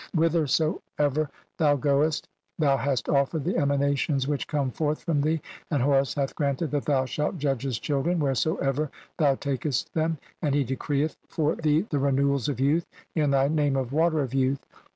CXXXV "whithersoever thou goest ; thou hast offered the "emanations which come forth from thee, and Horus "hath granted that thou shalt judge his children "wheresoever thou takest them, and he decreeth for "thee the renewals of youth (34) in thy name of " 'Water of youth'.